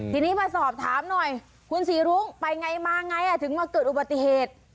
ทีนี้มาสอบถามหน่อยคุณศรีรุ้งไปไงมาไงถึงมาเกิดอุบัติเหตุ